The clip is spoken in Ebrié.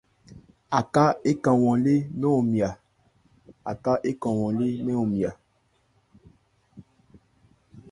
Aká ékan hwan lê mɛ́n hɔnmya.